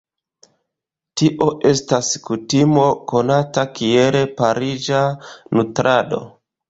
Tio estas kutimo konata kiel "pariĝa nutrado".